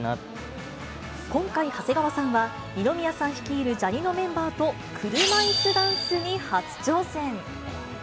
今回、長谷川さんは、二宮さん率いるジャにのメンバーと、車いすダンスに初挑戦。